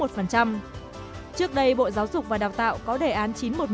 trước đây bộ giáo dục và đào tạo có đề án chín trăm một mươi một